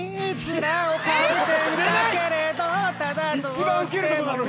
一番ウケるとこなのに。